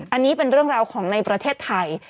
อันนี้เป็นเรื่องราวของในประเทศไทย